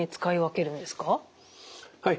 はい。